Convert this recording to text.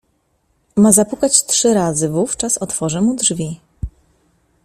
"Ma zapukać trzy razy, wówczas otworzę mu drzwi."